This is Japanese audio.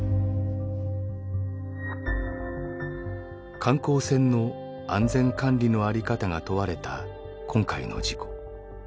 観光船の安全管理の在り方が問われた今回の事故。